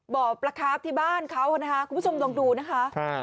บ่อปลาคาฟที่บ้านเขานะคะคุณผู้ชมลองดูนะคะ